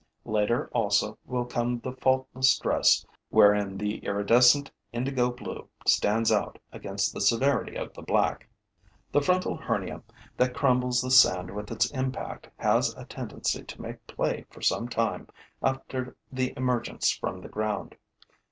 Later also will come the faultless dress wherein the iridescent indigo blue stands out against the severity of the black. The frontal hernia that crumbles the sand with its impact has a tendency to make play for some time after the emergence from the ground.